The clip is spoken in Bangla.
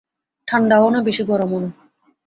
ঠাণ্ডাও না, বেশি গরমও না।